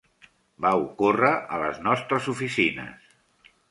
Va ocórrer a les nostres oficines.